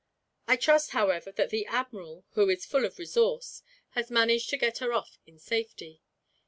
I trust however that the admiral, who is full of resource, has managed to get her off in safety.